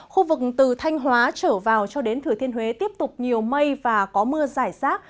khu vực từ thanh hóa trở vào cho đến thừa thiên huế tiếp tục nhiều mây và có mưa giải rác